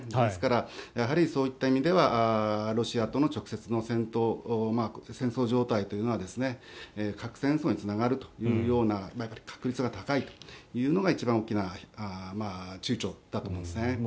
ですから、そういった意味ではロシアとの直接の戦争状態というのは核戦争につながるというような確率が高いというのが一番大きな躊躇だと思いますね。